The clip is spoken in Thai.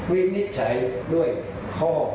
วินิจฉัยด้วยข้อ๖